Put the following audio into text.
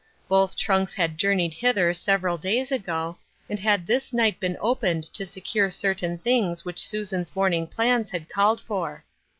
Both trunks had jour Qeyed hither several days ago, and had this night been opened to secure certain things which Susan's morning plans had called for.